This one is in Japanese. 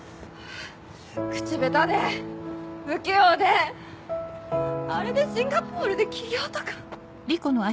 口ベタで不器用であれでシンガポールで起業とか。